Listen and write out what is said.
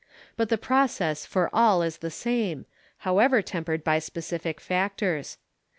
But the process for all is the same, however tempered by specific factors.